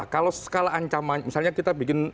kalau skala ancaman misalnya kita bikin